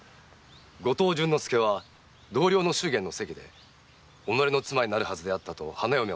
五島順之助は同僚の祝言の席で己の妻になるはずだったと花嫁を殺害。